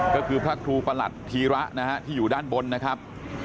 ก็คือพระครูประหลัดธีระนะฮะที่อยู่ด้านบนนะครับ